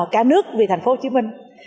cả nước vì thành phố hồ chí minh